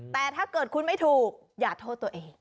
แต่ถ้าเกิดคุณไม่ถูกอย่าโทษตัวเอง